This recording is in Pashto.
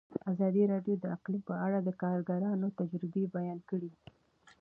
ازادي راډیو د اقلیم په اړه د کارګرانو تجربې بیان کړي.